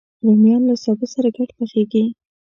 رومیان له سابه سره ګډ پخېږي